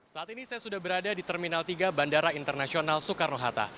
saat ini saya sudah berada di terminal tiga bandara internasional soekarno hatta